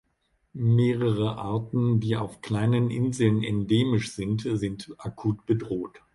Mehrere Arten, die auf kleinen Inseln endemisch sind, sind akut bedroht.